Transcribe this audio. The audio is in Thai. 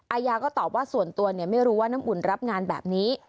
อายาก็ตอบว่าส่วนตัวไม่รู้ว่าน้ำอุ่นรับงานแบบนี้